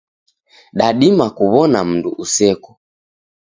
Dadima kuw'ona mndu useko.